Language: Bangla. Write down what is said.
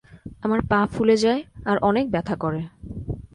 আমার পা ফুলে যায় আর অনেক ব্যথা করে।